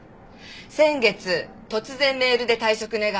先月突然メールで退職願を。